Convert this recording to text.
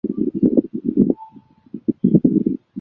台湾西南沿海的沙岸有养殖文蛤。